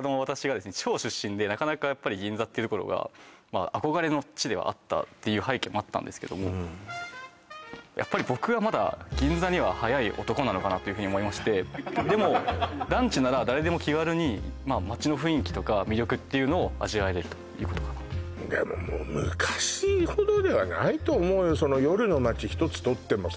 私がですね地方出身でなかなかやっぱり銀座っていうところが憧れの地ではあったっていう背景もあったんですけどもやっぱり僕はまだ銀座には早い男なのかなていうふうに思いましてでもランチなら誰でも気軽に街の雰囲気とか魅力っていうのを味わえれるということかなとでももう夜の街ひとつとってもさ